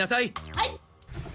・はい！